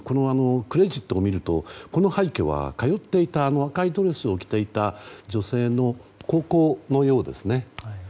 クレジットを見るとこの廃虚は、通っていた赤いドレスを着ていた女性の高校のようですね。